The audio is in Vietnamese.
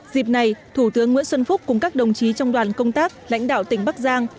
dịp này thủ tướng nguyễn xuân phúc cùng các đồng chí trong đoàn công tác lãnh đạo tỉnh bắc giang